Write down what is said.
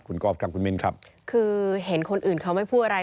คือเห็นคนอื่นเขาไม่พูดอะไร